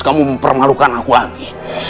kamu mempermalukan aku lagi